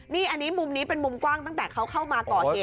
นี่อันนี้มุมนี้เป็นมุมกว้างตั้งแต่เขาเข้ามาก่อเหตุ